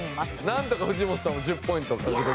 なんとか藤本さんも１０ポイント獲得。